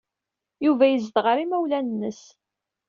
Yuba yezdeɣ ɣer yimawlan-nnes.